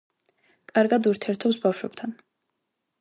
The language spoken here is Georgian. კარგად ურთიერთობს ბავშვებთან.